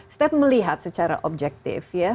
setiap melihat secara objektif